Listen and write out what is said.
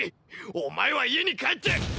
お前は家に帰って。